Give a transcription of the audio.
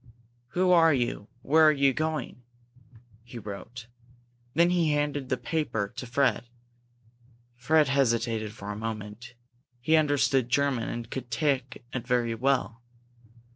"Who are you? Where are you going?" he wrote. Then he handed the paper to Fred. Fred hesitated for a moment. He understood German and could talk it very well.